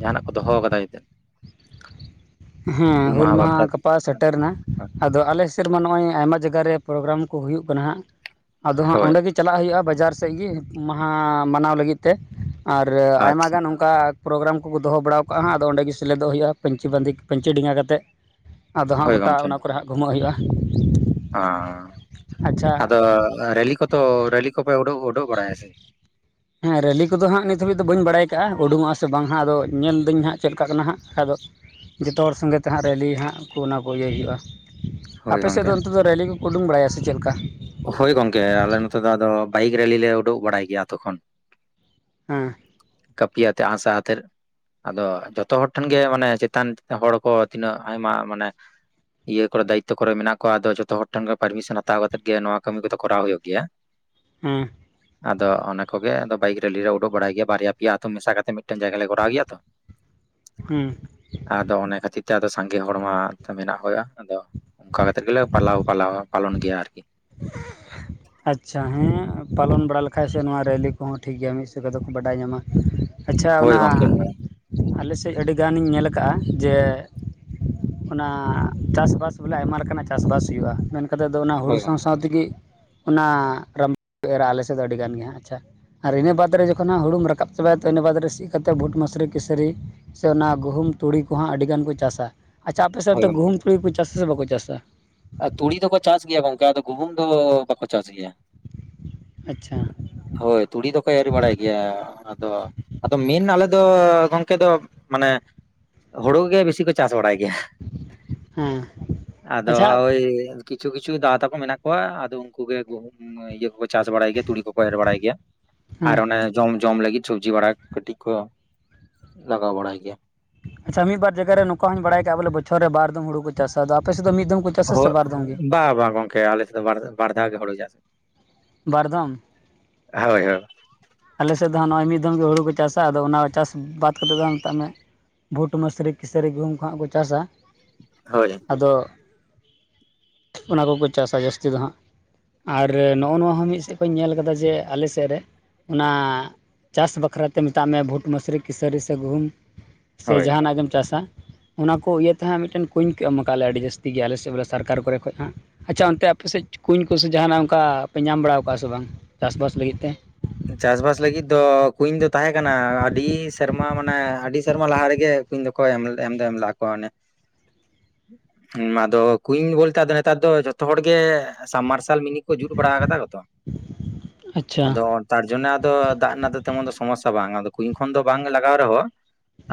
ᱡᱟᱦᱟᱱᱟᱜ ᱠᱚ ᱫᱚᱦᱚ ᱠᱟᱫᱟ ᱱᱤᱛᱟᱹᱜ ᱦᱩᱸ ᱦᱩᱞ ᱢᱟᱦᱟ ᱜᱟᱯᱟ ᱥᱮᱴᱮᱨ ᱮᱱᱟ, ᱟᱫᱚ ᱟᱞᱮ ᱥᱮᱫᱢᱟ ᱱᱚᱜᱼᱚᱭ ᱟᱭᱢᱟ ᱡᱟᱭᱜᱟ ᱨᱮ ᱯᱨᱳᱜᱨᱟᱢ ᱠᱚ ᱦᱩᱭᱩᱜ ᱠᱟᱱᱟ ᱦᱟᱸᱜ ᱟᱫᱚ ᱦᱟᱸᱜ ᱦᱳᱭ ᱚᱰᱮ ᱜᱮ ᱪᱟᱞᱟᱜ ᱦᱩᱭᱩᱜᱼᱟ ᱵᱟᱡᱟᱨ ᱥᱮᱜ ᱜᱮ ᱦᱩᱞ ᱢᱟᱦᱟ ᱢᱟᱱᱟᱣ ᱞᱟᱹᱜᱤᱫ ᱛᱮ ᱟᱨ ᱟᱭᱢᱟ ᱟᱪᱪᱷᱟ ᱜᱟᱱ ᱚᱱᱠᱟ ᱯᱨᱳᱜᱨᱟᱢ ᱠᱚᱠᱚ ᱫᱚᱦᱚ ᱵᱟᱲᱟᱣ ᱠᱟᱜᱼᱟ ᱟᱫᱚ ᱚᱸᱰᱮ ᱥᱮᱞᱮᱫᱚᱜ ᱦᱩᱭᱩᱜᱼᱟ ᱯᱟᱹᱧᱪᱤ ᱵᱟᱸᱫᱮ ᱯᱟᱹᱧᱪᱤ ᱰᱮᱸᱜᱟ ᱠᱟᱛᱮᱫ᱾ ᱟᱫᱚ ᱦᱟᱸᱜ ᱦᱳᱭ ᱜᱚᱴᱟ ᱚᱱᱟ ᱠᱚᱨᱮ ᱦᱟᱸᱜ ᱜᱦᱩᱢᱟᱹᱜ ᱦᱩᱭᱩᱜᱼᱟ ᱾ ᱟᱸ ᱟᱫᱚ ᱨᱮᱞᱤ ᱠᱚᱛᱚ ᱨᱮᱞᱤ ᱠᱚᱯᱮ ᱩᱰᱩ ᱩᱰᱩᱠ ᱵᱟᱲᱟᱭᱟ ᱥᱮ ᱦᱮᱸ ᱨᱮᱹᱞᱤ ᱠᱚᱫᱚ ᱦᱟᱸᱜ ᱱᱤᱛ ᱦᱟᱹᱵᱤᱡ ᱫᱚ ᱵᱟᱹᱧ ᱵᱟᱲᱟᱭ ᱠᱟᱜᱼᱟ, ᱩᱰᱩᱠᱚᱜᱼᱟᱥᱮ ᱵᱟᱝ ᱦᱟᱸᱜ ᱟᱫᱚ ᱧᱮᱞᱫᱟᱹᱧ ᱦᱟᱸᱜ ᱪᱮᱫ ᱞᱮᱠᱟ ᱠᱟᱱᱟ ᱦᱟᱸᱜ ᱫᱚ ᱡᱚᱛᱚ ᱦᱚᱲ ᱥᱚᱸᱜᱮ ᱛᱮ ᱦᱟᱸᱜ ᱨᱮᱞᱤ ᱦᱟᱸᱜ ᱠᱚ ᱚᱱᱟ ᱠᱚ ᱤᱭᱟᱹ ᱦᱩᱭᱩᱜᱼᱟ, ᱦᱳᱭ ᱟᱯᱮ ᱥᱮᱫ ᱫᱚ ᱜᱚᱝᱠᱮ ᱚᱱᱛᱮ ᱫᱚ ᱨᱮᱞᱤ ᱠᱚ ᱩᱰᱩᱝ ᱵᱟᱲᱟᱭᱟ ᱥᱮ ᱪᱮᱫ ᱞᱮᱠᱟ? ᱦᱳᱭ ᱜᱚᱝᱠᱮ ᱟᱞᱮ ᱱᱚᱛᱮ ᱫᱚ ᱟᱫᱚ ᱵᱟᱭᱤᱠ ᱨᱮᱞᱤ ᱞᱮ ᱩᱰᱩᱠ ᱵᱟᱲᱟᱭ ᱜᱮᱭᱟ ᱟᱛᱳ ᱠᱷᱚᱱ᱾ ᱦᱮᱸ ᱾ ᱠᱟᱹᱯᱤ ᱭᱟᱛᱮ ᱟᱸᱜ ᱥᱟᱨ ᱟᱛᱮᱫ ᱾ ᱟᱫᱚ ᱡᱚᱛᱚ ᱦᱚᱲ ᱴᱷᱮᱱ ᱜᱮ ᱢᱟᱱᱮ ᱪᱮᱛᱟᱱ ᱦᱚᱲ ᱠᱚ ᱛᱤᱱᱟᱹᱜ ᱟᱭᱢᱟ ᱢᱟᱱᱮ ᱤᱭᱟᱹ ᱠᱚᱨᱮ ᱫᱟᱭᱤᱛᱚ ᱠᱚᱨᱮ ᱢᱮᱱᱟᱜ ᱠᱚᱣᱟ ᱟᱫᱚ ᱡᱚᱛᱚ ᱦᱚᱲ ᱴᱷᱮᱱ ᱜᱮ ᱯᱟᱨᱢᱤᱥᱚᱱ ᱦᱟᱛᱟᱣ ᱠᱟᱛᱮᱜ ᱜᱮ ᱱᱚᱣᱟ ᱠᱟᱹᱢᱤ ᱠᱚᱫᱚ ᱠᱚᱨᱟᱣ ᱦᱩᱭᱩᱜ ᱜᱮᱭᱟ ᱾ ᱦᱩᱸ ᱾ ᱟᱫᱚ ᱚᱱᱟ ᱠᱚᱜᱮ ᱟᱫᱚ ᱵᱟᱭᱤᱠ ᱨᱮᱞᱤ ᱞᱮ ᱩᱰᱩᱠ ᱵᱟᱲᱟᱭ ᱜᱮᱭᱟ ᱵᱟᱨᱭᱟ ᱯᱮᱭᱟ ᱟᱛᱩ ᱢᱮᱥᱟ ᱠᱟᱛᱮ ᱢᱤᱫᱴᱮᱱ ᱡᱟᱭᱜᱟ ᱞᱮ ᱠᱚᱨᱟᱣ ᱜᱮᱭᱟ ᱛᱚ ᱾ ᱦᱩᱸ ᱾ ᱟᱫᱚ ᱚᱱᱟ ᱠᱷᱟᱹᱛᱤᱨ ᱛᱮ ᱟᱫᱚ ᱥᱟᱸᱜᱮ ᱦᱚᱲ ᱢᱟ ᱢᱮᱱᱟᱜ ᱦᱩᱭᱩᱜᱼᱟ ᱟᱫᱚ ᱾ ᱚᱱᱠᱟ ᱠᱟᱛᱮᱫ ᱜᱮᱞᱮ ᱯᱟᱞᱟᱣ ᱯᱟᱞᱟᱣ ᱯᱟᱞᱚᱱ ᱜᱮᱭᱟ ᱟᱨᱠᱤ ᱾ ᱦ [inaudible] ᱟᱪᱪᱷᱟ ᱦᱮᱸ ᱯᱟᱞᱚᱱ ᱵᱟᱲᱟ ᱞᱮᱠᱷᱟᱡ ᱥᱮ ᱱᱚᱣᱟ ᱨᱮᱞᱤ ᱠᱚᱦᱚᱸ ᱴᱷᱤᱠ ᱜᱮᱭᱟ ᱢᱤᱫ ᱦᱤᱥᱟᱵ ᱫᱚᱠᱚ ᱵᱟᱰᱟᱭ ᱧᱟᱢᱟ ᱾ ᱟᱪᱪᱷᱟ ᱦᱳᱭ ᱚᱱᱟ ᱜᱚᱝᱠᱮ ᱦᱮᱸ ᱟᱞᱮ ᱥᱮᱫ ᱟᱹᱰᱤ ᱜᱟᱱᱤᱧ ᱧᱮᱞ ᱟᱠᱟᱜᱼᱟ ᱡᱮ ᱚᱱᱟ ᱪᱟᱥᱵᱟᱥ ᱵᱚᱞᱮ ᱟᱭᱢᱟ ᱞᱮᱠᱟᱱᱟᱜ ᱪᱟᱥᱼᱵᱟᱥ ᱦᱩᱭᱩᱜᱼᱟ ᱢᱮᱱ ᱠᱟᱛᱮᱫ ᱫᱚ ᱚᱱᱟ ᱦᱳᱭ ᱦᱳᱲᱳ ᱜᱚᱝᱠᱮ ᱛᱮᱜᱮ ᱚᱱᱟ ᱨᱟᱢᱵ ᱮᱨᱟ ᱟᱞᱮ ᱥᱮᱫ ᱫᱚ ᱟᱹᱰᱤ ᱜᱟᱱ ᱜᱮ ᱦᱟᱸᱜ ᱟᱪᱪᱷᱟ ᱾ ᱟᱨ ᱤᱱᱟᱹ ᱵᱟᱫᱽ ᱨᱮ ᱡᱚᱠᱷᱚᱱ ᱦᱳᱲᱳᱢ ᱨᱟᱠᱟᱵ ᱪᱟᱵᱟᱭᱟ ᱛᱚ ᱤᱱᱟᱹ ᱵᱟᱫᱽ ᱨᱮ ᱥᱤ ᱠᱟᱛᱮᱫ ᱵᱩᱴ ᱢᱮᱥᱨᱤ ᱠᱮᱥᱟᱹᱨᱤ, ᱥᱮ ᱚᱱᱟ ᱜᱩᱦᱩᱢ ᱛᱩᱲᱤ ᱠᱚᱦᱚᱸ ᱟᱹᱰᱤᱜᱟᱱ ᱠᱚ ᱪᱟᱥᱟ ᱾ ᱟᱪᱪᱷᱟ ᱟᱯᱮ ᱥᱮᱫ ᱦᱳᱭ ᱫᱚ ᱜᱚᱝᱠᱮ ᱜᱩᱦᱩᱢ ᱛᱩᱲᱤ ᱠᱚ ᱪᱟᱥᱟ ᱥᱮ ᱵᱟᱠᱚ ᱪᱟᱥᱟ? ᱛᱩᱲᱤ ᱫᱚᱠᱚ ᱪᱟᱥ ᱜᱮᱭᱟ ᱜᱚᱝᱠᱮ ᱟᱫᱚ ᱜᱩᱦᱩᱢ ᱫᱚ ᱵᱟᱠᱚ ᱪᱟᱥ ᱜᱮᱭᱟ ᱾ ᱟᱪᱪᱷᱟ ᱾ ᱦᱚᱭ ᱛᱩᱲᱤ ᱫᱚᱠᱚ ᱮᱨ ᱵᱟᱲᱟᱭ ᱜᱮᱭᱟ ᱾ ᱟᱫᱚ ᱟᱫᱚ ᱢᱮᱱ ᱦᱟᱸᱜ ᱟᱞᱮ ᱫᱚ ᱜᱚᱢᱠᱮ ᱫᱚ ᱢᱟᱱᱮ ᱦᱳᱲᱳ ᱜᱮ ᱵᱮᱥᱤ ᱠᱚ ᱪᱟᱥ ᱵᱟᱲᱟᱭ ᱜᱮᱭᱟ ᱾ ᱦᱮᱸᱻ ᱟᱫᱚ ᱳᱭ ᱠᱤᱪᱷᱩ ᱠᱤᱪᱷᱩ ᱫᱟ ᱛᱟᱠᱚ ᱢᱮᱱᱟᱜ ᱠᱚᱣᱟ ᱟᱫᱚ ᱩᱱᱠᱩ ᱜᱮ ᱜᱩᱦᱩᱢ ᱤᱭᱟᱹ ᱠᱚ ᱪᱟᱥ ᱵᱟᱲᱟᱭ ᱜᱮᱭᱟ ᱛᱩᱲᱤ ᱠᱚᱠᱚ ᱮᱨ ᱵᱟᱲᱟᱭ ᱜᱮᱭᱟ ᱟᱨ ᱦᱮᱸ ᱚᱱᱮ ᱡᱚᱢ ᱡᱚᱢ ᱞᱟᱹᱜᱤᱫ ᱥᱚᱵᱽᱡᱤ ᱵᱟᱲᱟ ᱠᱟᱹᱴᱤᱡ ᱠᱚ ᱞᱟᱜᱟᱣ ᱵᱟᱲᱟᱭ ᱜᱮᱭᱟ ᱾ ᱟᱪᱪᱷᱟ ᱢᱤᱫ ᱵᱟᱨ ᱡᱟᱭᱜᱟ ᱨᱮ ᱱᱚᱝᱠᱟ ᱦᱚᱸᱧ ᱵᱟᱲᱟᱭ ᱟᱠᱟᱜᱼᱟ ᱵᱚᱞᱮ ᱵᱚᱪᱷᱚᱨ ᱨᱮ ᱵᱟᱨ ᱫᱷᱟᱣ ᱦᱳᱲᱳ ᱠᱚ ᱪᱟᱥᱟ ᱟᱫᱚ ᱟᱯᱮ ᱥᱮᱫ ᱫᱚ ᱢᱤᱫ ᱪᱟᱥᱟ ᱥᱮ ᱦᱚᱸᱜ ᱵᱟᱨ ᱫᱚᱢ ᱜᱮ ᱵᱟᱝ ᱵᱟᱝ ᱜᱚᱢᱠᱮ ᱟᱞᱮᱥᱮᱫ ᱫᱚ ᱵᱟ ᱵᱟᱨ ᱫᱷᱟᱣ ᱜᱮ ᱦᱳᱲᱳ ᱪᱟᱥ ᱵᱟᱨ ᱫᱚᱢ ᱾ ᱦᱚᱭ ᱦᱚᱭ ᱟᱞᱮ ᱥᱮᱫ ᱫᱚ ᱦᱟᱸᱜ ᱱᱚᱜᱼᱚᱭ ᱢᱤᱫ ᱫᱚᱢ ᱜᱮ ᱦᱳᱲᱳ ᱠᱚ ᱪᱟᱥᱟ ᱟᱫᱚ ᱚᱱᱟ ᱪᱟᱥ ᱵᱟᱫᱽ ᱠᱟᱛᱮᱫ ᱫᱚ ᱢᱮᱛᱟᱜ ᱢᱮ ᱵᱷᱩᱴ ᱢᱮᱥᱨᱤ ᱠᱮᱥᱟᱹᱨᱤ ᱜᱩᱦᱩᱢ ᱠᱚᱦᱟᱸᱜ ᱠᱚ ᱪᱟᱥᱟ ᱾ ᱦᱚᱭ ᱟᱫᱚ ᱚᱱᱟ ᱠᱚᱠᱚ ᱪᱟᱥᱟ ᱡᱟᱹᱥᱛᱤ ᱫᱚ ᱦᱟᱸᱜ ᱾ ᱟᱨ ᱱᱚᱜᱼᱚ ᱱᱚᱣᱟ ᱦᱚᱸ ᱢᱤᱫ ᱥᱮᱫ ᱠᱷᱚᱡ ᱤᱧ ᱧᱮᱞ ᱟᱠᱟᱫᱟ ᱡᱮ ᱟᱞᱮ ᱥᱮᱫ ᱨᱮ ᱚᱱᱟ ᱪᱟᱥ ᱵᱟᱠᱷᱨᱟᱛᱮ ᱢᱮᱛᱟᱜ ᱢᱮ ᱵᱷᱩᱴ ᱢᱮᱥᱨᱤ ᱠᱤᱥᱟᱹᱨᱤ ᱥᱮ ᱜᱩᱦᱩᱢ ᱾ ᱥᱮ ᱦᱳᱭ ᱡᱟᱦᱟᱸᱱᱟᱜ ᱜᱮᱢ ᱪᱟᱥᱟ ᱾ ᱚᱱᱟ ᱠᱚ ᱤᱭᱟᱹᱛᱮ ᱦᱟᱸᱜ ᱢᱤᱫᱴᱮᱱ ᱠᱩᱸᱧ ᱠᱚ ᱮᱢ ᱟᱠᱟᱫ ᱞᱮᱭᱟ ᱟᱹᱰᱤ ᱡᱟᱹᱥᱛᱤ ᱜᱮ ᱟᱞᱮ ᱥᱮᱫ ᱵᱚᱞᱮ ᱥᱚᱨᱠᱟᱨ ᱠᱚᱨᱮ ᱠᱷᱚᱡ ᱦᱟᱸᱜ ᱾ ᱟᱪᱪᱷᱟ ᱚᱱᱛᱮ ᱟᱯᱮ ᱥᱮᱫ ᱠᱩᱧ ᱠᱚᱥᱮ ᱡᱟᱦᱟᱸ ᱱᱟᱜ ᱚᱱᱠᱟ ᱯᱮ ᱧᱟᱢ ᱵᱟᱲᱟᱣ ᱠᱟᱜᱼᱟ ᱥᱮ ᱵᱟᱝ ᱪᱟᱥᱵᱟᱥ ᱞᱟᱹᱜᱤᱫ ᱛᱮ? ᱪᱟᱥᱵᱟᱥ ᱞᱟᱹᱜᱤᱫ ᱫᱚ ᱠᱩᱧ ᱫᱚ ᱛᱟᱦᱮᱸ ᱠᱟᱱᱟ ᱟᱹᱰᱤ ᱥᱮᱨᱢᱟ ᱢᱟᱱᱮ ᱟᱹᱰᱤ ᱥᱮᱨᱢᱟ ᱞᱟᱦᱟ ᱨᱮᱜᱮ, ᱠᱩᱧ ᱫᱚᱠᱚ ᱮᱢ ᱫᱚ ᱮᱢ ᱞᱟᱜ ᱠᱚ ᱚᱱᱮ ᱾ [inaudible] ᱮᱸᱻ ᱟᱫᱚ ᱠᱩᱧ ᱵᱚᱞᱛᱮ ᱟᱫᱚ ᱱᱮᱛᱟᱨ ᱫᱚ ᱡᱷᱚᱛᱚ ᱦᱚᱲ ᱜᱮ, ᱥᱟᱵᱢ ᱢᱟᱨᱥᱟᱞ ᱢᱤᱱᱤ ᱠᱚ ᱡᱩᱛ ᱵᱟᱲᱟ ᱟᱠᱟᱫᱟ ᱠᱚ ᱛᱚ ᱟᱪᱪᱷᱟ ᱟᱫᱚ᱾ ᱛᱟᱨ ᱡᱚᱱᱱᱮ ᱟᱫᱚ ᱫᱟᱜ ᱨᱮᱱᱟᱜ ᱫᱚ ᱛᱮᱢᱚᱱ ᱫᱚ ᱥᱚᱢᱚᱥᱥᱟ ᱵᱟᱝ᱾ ᱟᱫᱚ ᱠᱩᱧ ᱠᱷᱚᱱ ᱫᱚ ᱵᱟᱝ ᱮ ᱞᱟᱜᱟᱣ ᱨᱮᱦᱚᱸ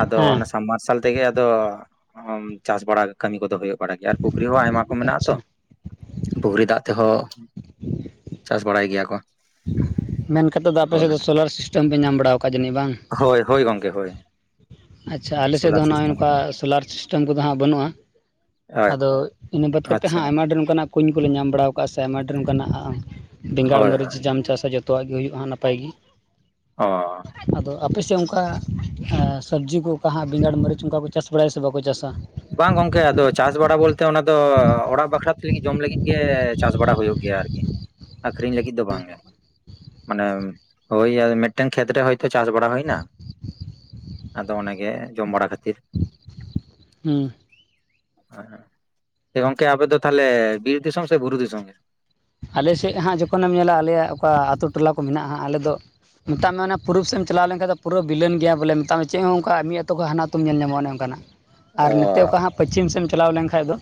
ᱟᱫᱚ ᱦᱮᱸ ᱚᱱᱟ ᱥᱟᱵᱢ ᱢᱟᱨᱥᱟᱞ ᱛᱮᱜᱮ ᱟᱫᱚ ᱚᱸᱻ ᱪᱟᱥ ᱵᱟᱲᱟ ᱠᱟᱹᱢᱤ ᱠᱚᱫᱚ ᱦᱩᱭᱩᱜ ᱾ ᱵᱟᱲᱟᱜ ᱜᱮᱭᱟ ᱟᱨ ᱯᱩᱠᱷᱨᱤ ᱦᱚᱸ ᱟᱭᱢᱟ ᱠᱚ ᱢᱮᱱᱟᱜᱼᱟ ᱛᱚ᱾ ᱟᱪᱪᱷᱟ ᱯᱩᱠᱷᱨᱤ ᱫᱟᱜ ᱛᱮᱦᱚᱸ ᱪᱟᱥ ᱵᱟᱲᱟᱭ ᱜᱮᱭᱟ ᱠᱚ᱾ ᱢᱮᱱ ᱠᱟᱛᱮᱫ ᱫᱚ ᱟᱯᱮᱥᱮᱫ ᱦᱳᱭ ᱫᱚ ᱥᱳᱞᱟᱨ ᱥᱤᱥᱴᱮᱢ ᱯᱮ ᱧᱟᱢ ᱵᱟᱲᱟᱣᱟᱠᱟᱜ ᱡᱟᱹᱱᱤᱡ ᱵᱟᱝ? ᱦᱚᱭ ᱦᱚᱭ ᱜᱚᱝ ᱠᱮ ᱦᱚᱭ ᱾ ᱟᱪᱪᱷᱟ ᱟᱞᱮ ᱥᱮᱫ ᱫᱚ ᱱᱚᱜᱼᱚᱭ ᱱᱚᱝᱠᱟ ᱥᱳᱞᱟᱨ ᱥᱤᱥᱴᱮᱢ ᱠᱚᱫᱚ ᱦᱟᱸᱜ ᱵᱟᱹᱱᱩᱜᱼᱟ᱾ ᱦᱳᱭ ᱟᱫᱚ ᱤᱱᱟᱹ ᱵᱟᱫ ᱠᱟᱛᱮᱫ ᱟᱪᱪᱷᱟ ᱦᱟᱸᱜ ᱟᱭᱢᱟ ᱰᱷᱮᱨ ᱚᱱᱠᱟᱱᱟᱜ, ᱠᱩᱧ ᱠᱚᱞᱮ ᱧᱟᱢ ᱵᱟᱲᱟᱣ ᱟᱠᱟᱜᱼᱟ ᱥᱮ ᱟᱭᱢᱟ ᱰᱷᱮᱨ ᱚᱱᱠᱟᱱᱟᱜ ᱵᱮᱸᱜᱟᱲ ᱦᱳᱭ ᱢᱟᱹᱨᱤᱪ ᱦᱳᱭ ᱡᱟᱢ ᱪᱟᱥᱟ ᱡᱚᱛᱚ, ᱡᱚᱛᱚᱣᱟᱜ ᱜᱮ ᱦᱩᱭᱩᱜᱼᱟ ᱱᱟᱯᱟᱭ ᱜᱮ᱾ ᱚᱻ ᱟᱫᱚ ᱟᱯᱮ ᱥᱮᱫ ᱚᱱᱠᱟ ᱮᱻ ᱥᱚᱵᱽᱡᱤ ᱠᱚ ᱚᱠᱟ ᱦᱟᱸᱜ ᱵᱮᱸᱜᱟᱲ ᱢᱟᱹᱨᱤᱪ ᱚᱱᱠᱟ ᱠᱚ ᱪᱟᱥ ᱵᱟᱲᱟᱭᱟ ᱥᱮ ᱵᱟᱠᱚ ᱪᱟᱥᱟ, ᱵᱟᱝ ᱜᱚᱝᱠᱮ ᱟᱫᱚ ᱪᱟᱥ ᱵᱟᱲᱟ ᱵᱚᱞᱛᱮ ᱚᱱᱟ ᱫᱚ ᱚᱲᱟᱜ ᱵᱟᱠᱷᱨᱟ ᱛᱮ ᱞᱟᱹᱜᱤᱫ ᱡᱚᱢ ᱞᱟᱹᱜᱤᱫ ᱜᱮ ᱪᱟᱥ ᱵᱟᱲᱟ ᱦᱳᱭᱳᱜ ᱜᱮᱭᱟ ᱟᱨᱠᱤ᱾ ᱟᱠᱷᱨᱤᱧ ᱞᱟᱹᱜᱤᱫ ᱫᱚ ᱵᱟᱝ ᱜᱮ ᱢᱟᱱᱮ ᱦᱳᱭ ᱢᱤᱫᱴᱮᱱ ᱠᱷᱮᱛᱨᱮ ᱛᱚ ᱪᱟᱥ ᱵᱟᱲᱟ ᱦᱩᱭᱱᱟ, ᱟᱫᱚ ᱚᱱᱟᱜᱮ ᱡᱚᱢ ᱵᱟᱲᱟ ᱠᱷᱟᱹᱛᱤᱨ᱾ ᱦᱩᱸ ᱜᱚᱝᱠᱮ ᱟᱵᱮᱱ ᱫᱚ ᱛᱟᱞᱦᱮ ᱵᱤᱨ ᱫᱤᱥᱚᱢ ᱥᱮ ᱵᱩᱨᱩ ᱫᱤᱥᱚᱢ ᱜᱮ? ᱟᱞᱮ ᱥᱮᱫ ᱦᱟᱸᱜ ᱡᱚᱠᱷᱚᱱᱮᱢ ᱧᱮᱞᱟ ᱟᱞᱮᱭᱟᱜ ᱚᱠᱟ ᱟᱛᱳ ᱴᱚᱞᱟ ᱠᱚ ᱢᱮᱱᱟᱜᱼᱟ ᱟᱞᱮ ᱫᱚ᱾ ᱢᱮᱛᱟᱜ ᱢᱮ ᱚᱱᱟ ᱯᱩᱨᱩᱵ ᱥᱮᱫ ᱮᱢ ᱪᱟᱞᱟᱣ ᱞᱮᱠᱷᱟᱡ, ᱯᱩᱨᱟᱹ ᱵᱤᱞᱟᱹᱱ ᱜᱮᱭᱟ ᱵᱚᱞᱮ᱾ ᱢᱮᱛᱟᱜ ᱢᱮ ᱪᱮᱫ ᱦᱚᱸ ᱚᱱᱠᱟ ᱢᱤᱫ ᱟᱹᱛᱩ ᱠᱷᱚᱱ ᱦᱟᱱᱟ ᱟᱩᱛᱩᱢ ᱧᱮᱞ ᱧᱟᱢᱚᱜ ᱚᱱᱮ ᱚᱱᱠᱟᱱᱟᱜ᱾ ᱟᱨ ᱚ ᱱᱚᱛᱮ ᱚᱠᱟ ᱦᱟᱸᱜ ᱯᱚᱪᱷᱤᱢ ᱥᱮᱫ ᱮᱢ ᱪᱟᱞᱟᱣ ᱞᱮᱱᱠᱷᱟᱱ ᱫᱚ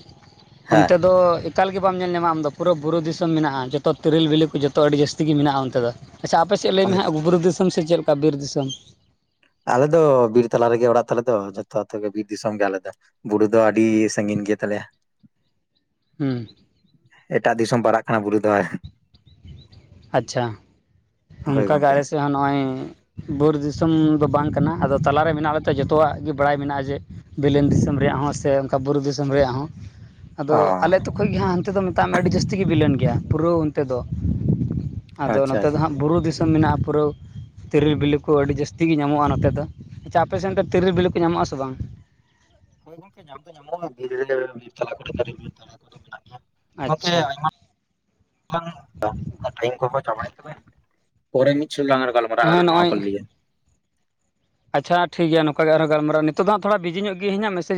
ᱦᱮᱸ ᱚᱱᱛᱮ ᱫᱚ, ᱮᱠᱟᱞ ᱜᱮ ᱵᱟᱢ ᱧᱮᱞ ᱧᱟᱢᱟ ᱟᱢᱫᱚ ᱯᱩᱨᱟᱹ ᱵᱩᱨᱩ ᱫᱤᱥᱚᱢ ᱢᱮᱱᱟᱜᱼᱟ ᱡᱚᱛᱚ ᱛᱤᱨᱤᱞ ᱵᱤᱞᱤ ᱠᱚ ᱡᱚᱛᱚ ᱟᱹᱰᱤ ᱡᱟᱹᱥᱛᱤ ᱜᱮ ᱢᱮᱱᱟᱜᱼᱟ ᱚᱱᱛᱮ ᱫᱚ᱾ ᱟᱪᱪᱷᱟ ᱟᱯᱮᱥᱮᱫ ᱞᱟᱹᱭ ᱢᱮ ᱦᱟᱸᱜ ᱟᱪᱪᱷᱟ ᱵᱩᱨᱩ ᱫᱤᱥᱚᱢ ᱥᱮ ᱪᱮᱫ ᱞᱮᱠᱟ ᱵᱤᱨ ᱫᱤᱥᱚᱢ? ᱟᱞᱮ ᱫᱚ ᱵᱤᱨ ᱛᱟᱞᱟ ᱨᱮᱜᱮ ᱚᱲᱟᱜ ᱛᱟᱞᱮ ᱫᱚ ᱡᱚᱛᱚ ᱜᱮ ᱵᱤᱨ ᱫᱤᱥᱚᱢ ᱜᱮ ᱟᱞᱮ ᱫᱚ᱾ ᱵᱩᱨᱩ ᱫᱚ ᱟᱹᱰᱤ ᱥᱟᱺᱜᱤᱧ ᱜᱮ ᱛᱟᱞᱮᱭᱟ᱾ ᱦᱩᱸ ᱮᱴᱟᱜ ᱫᱤᱥᱚᱢ ᱯᱟᱲᱟᱜ ᱠᱟᱱᱟ ᱵᱩᱨᱩ ᱫᱚ᱾ ᱟᱪᱪᱷᱟ, ᱦᱳᱭ ᱚᱱᱠᱟᱜᱮ ᱜᱚᱝᱠᱮ ᱟᱞᱮ ᱥᱮᱫ ᱦᱚᱸ ᱱᱚᱜᱼᱚᱭ᱾ ᱵᱩᱨᱩ ᱫᱤᱥᱚᱢ ᱫᱚ ᱵᱟᱝ ᱠᱟᱱᱟ ᱟᱫᱚ ᱛᱟᱞᱟᱨᱮ ᱢᱮᱱᱟᱜ ᱞᱮᱛᱮ ᱡᱚᱛᱚᱣᱟᱜ ᱜᱮ ᱵᱟᱲᱟᱭ ᱢᱮᱱᱟᱜᱼᱟ ᱡᱮ, ᱵᱤᱞᱤᱱ ᱫᱤᱥᱚᱢ ᱨᱮᱭᱟᱜ ᱦᱚᱸ ᱥᱮ ᱚᱱᱠᱟ ᱵᱩᱨᱩ ᱫᱤᱥᱚᱢ ᱨᱮᱭᱟᱜ ᱦᱚᱸ, ᱟᱫᱚ ᱚ ᱟᱞᱮ ᱟᱹᱛᱩ ᱠᱷᱚᱡ ᱜᱮ ᱦᱟᱸᱜ ᱦᱟᱱᱛᱮ ᱫᱚ ᱢᱮᱛᱟᱜ ᱢᱮ ᱟᱹᱰᱤ ᱡᱟᱹᱥᱛᱤ ᱜᱮ ᱵᱤᱞᱚᱱ ᱜᱮᱭᱟ ᱯᱩᱨᱟᱹ ᱚᱱᱛᱮ ᱫᱚ᱾ ᱟᱫᱚ ᱟᱪᱪᱷᱟ ᱱᱚᱛᱮ ᱫᱚ ᱟᱪᱪᱷᱟ ᱦᱟᱸᱜ ᱵᱩᱨᱩ ᱫᱤᱥᱚᱢ ᱢᱮᱱᱟᱜᱼᱟ ᱯᱩᱨᱟᱹ ᱾ ᱛᱮᱨᱮᱞ ᱵᱤᱞᱤ ᱠᱚ ᱟᱹᱰᱤ ᱡᱟᱹᱥᱛᱤ ᱜᱮ ᱧᱟᱢᱚᱜᱼᱟ ᱱᱚᱛᱮ ᱫᱚ, ᱟᱪᱪᱷᱟ ᱟᱯᱮ ᱥᱮᱱ ᱫᱚ ᱛᱮᱨᱮᱞ ᱵᱤᱞᱤ ᱠᱚ ᱧᱟᱢᱚᱜ ᱟᱥᱮ ᱵᱟᱝ? ᱦᱮᱸ ᱜᱚᱝᱠᱮ ᱧᱟᱢ ᱫᱚ ᱧᱟᱢᱚᱜᱼᱟ ᱫᱷᱤᱨᱮ ᱫᱷᱤᱨᱮ ᱛᱟᱞᱟ ᱠᱚᱨᱮ ᱫᱚ ᱠᱚᱫᱚ ᱢᱮᱱᱟᱜ ᱜᱮᱭᱟ ᱜᱚᱝᱠᱮ ᱟᱪᱪᱷᱟ ᱟᱭᱢᱟ ᱾ [inaudible] ᱴᱟᱭᱤᱢ ᱠᱚᱠᱚ ᱪᱟᱵᱟᱭᱮᱫ ᱛᱟᱵᱮᱱ ᱯᱚᱨᱮ ᱢᱤᱫ ᱪᱷᱚᱴ ᱞᱟᱝ ᱜᱟᱞᱢᱟᱨᱟᱜᱼᱟ ᱦᱮᱸ ᱟᱨ ᱱᱚᱣᱟ ᱱᱚᱜᱼᱚᱭ ᱠᱚ ᱞᱤᱭᱮ᱾ ᱟᱪᱪᱷᱟ ᱴᱷᱤᱠ ᱜᱮᱭᱟ ᱱᱚᱝᱠᱟ ᱜᱮ ᱟᱨᱦᱚ ᱜᱟᱞᱢᱟᱨᱟᱣ ᱱᱤᱛᱚᱜ ᱫᱚ ᱦᱟᱸᱜ ᱛᱷᱳᱲᱟ ᱵᱤᱡᱤ ᱧᱚᱜ ᱜᱮᱭᱤᱧ ᱢᱮᱥᱮᱡ ᱼᱼ